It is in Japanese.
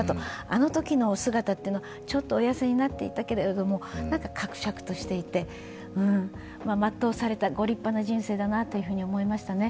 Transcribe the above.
あのときの姿というのはちょっとお痩せになっていたけれども、かくしゃくとしていて、全うされた、ご立派な人生だなと思いましたね。